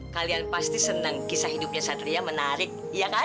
kalian pasti senang kisah hidupnya satria menarik iya kan